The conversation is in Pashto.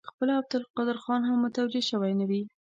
خپله عبدالقادر خان هم متوجه شوی نه وي.